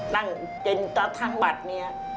ตั้งเจนก็ทั้งบัตรเนี่ย